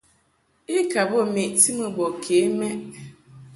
I ka bə meʼti mɨ bɔ ke mɛʼ.